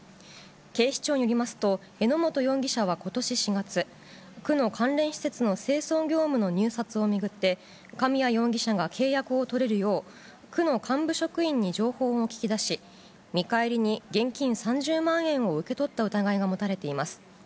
警視庁によりますと、榎本容疑者はことし４月、区の関連施設の清掃業務の入札を巡って、神谷容疑者が契約を取れるよう、区の幹部職員に情報を聞き出し、見返りに現金３０万円を受け取った疑いが持たれています。